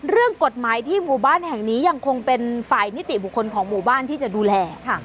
เรื่องกฎหมายที่หมู่บ้านแห่งนี้ยังคงเป็นฝ่ายนิติบุคคลของหมู่บ้านที่จะดูแล